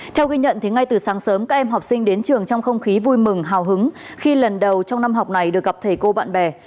theo ghi nhận ngay từ sáng sớm các em học sinh đến trường trong không khí vui mừng hào hứng khi lần đầu trong năm học này được gặp thầy cô bạn bè